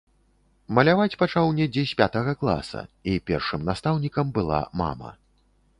Маляваць пачаў недзе з пятага класа, і першым настаўнікам была мама.